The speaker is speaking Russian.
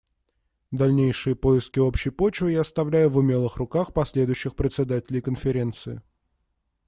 Дальнейшие поиски общей почвы я оставляю в умелых руках последующих председателей Конференции.